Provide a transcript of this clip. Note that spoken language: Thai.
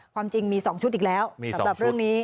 ความจริงมี๒ชุดอีกแล้วสำหรับเรื่องนี้